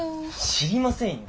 知りませんよ。